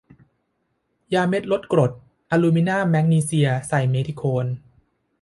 ยาเม็ดลดกรด อะลูมินา แมกนีเซีย ไซเมธิโคน